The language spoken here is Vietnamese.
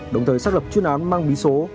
đồng thời xác lập chuyên án mang bí số